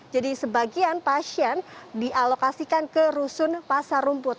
jadi sebagian pasien dialokasikan ke rusun pasar rumput